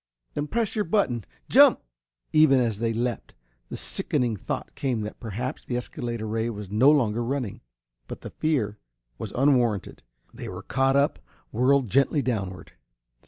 "Then press your button jump!" Even as they leapt, the sickening thought came that perhaps the escalator ray was no longer running. But the fear was unwarranted. They were caught up, whirled gently downward.